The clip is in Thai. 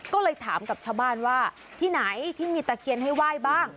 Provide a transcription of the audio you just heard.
ก็เลยถามกับชาวบ้านว่าที่ไหนที่มีตะเคียนให้ไหว้บ้าง